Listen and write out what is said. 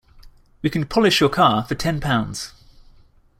We can polish your car for ten pounds.